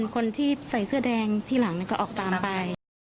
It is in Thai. คนที่ใส่เสื้อแดงที่หลังก็ออกตามไป